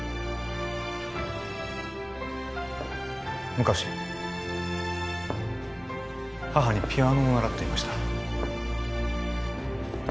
昔母にピアノを習っていました